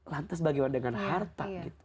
lantas bagaimana dengan harta